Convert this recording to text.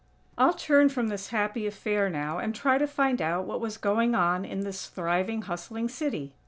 I'll turn from this happy affair now and try to find out what was going on in this thriving, hustling city.